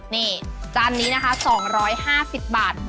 นี่จานนี้นะคะ๒๕๐บาท